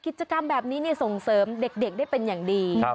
กิจกรรมแบบนี้ส่งเสริมเด็กได้เป็นอย่างดี